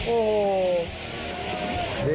โอ้โห